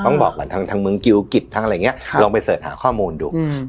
ต้องบอกก่อนทั้งทั้งเมืองกิวกิจทั้งอะไรเงี้ยค่ะลองไปเสิร์ชหาข้อมูลดูอืม